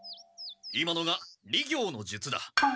今のが「離行の術」だ。